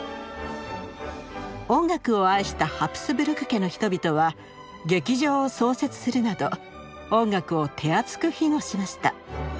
音楽を愛したハプスブルク家の人々は劇場を創設するなど音楽を手厚く庇護しました。